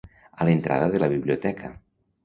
A l'entrada de la biblioteca.